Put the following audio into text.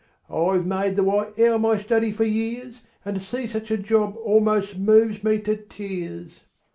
I've made the white owl my study for years, And to see such a job almost moves me to tears!